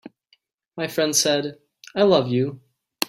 My friend said: "I love you.